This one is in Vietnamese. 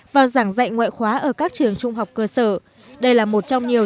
vào giảng dạy ngoại khóa ở các trường trung học cơ sở đây là một trong nhiều